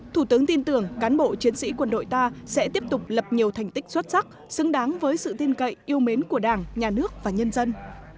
thủ tướng tin tưởng cán bộ chiến sĩ quân đội ta sẽ tiếp tục lập nhiều thành tích xuất sắc xứng đáng với sự tin cậy yêu mến của đảng nhà nước và nhân dân